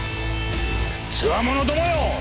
つわものどもよ。